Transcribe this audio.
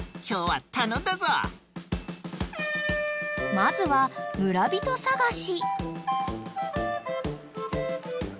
［まずは村人探し］